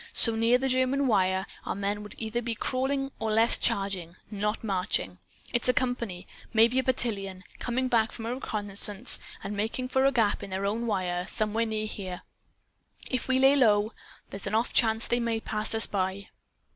So near the German wire, our men would either be crawling or else charging, not marching! It's a company maybe a battalion coming back from a reconnaissance, and making for a gap in their own wire some where near here. If we lay low there's an off chance they may pass us by."